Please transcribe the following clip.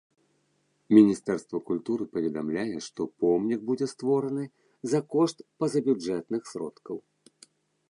Міністэрства культуры паведамляе, што помнік будзе створаны за кошт пазабюджэтных сродкаў.